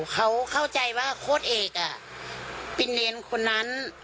เขาเข้าใจว่าโค้ดเอกเป็นเนรคนนั้น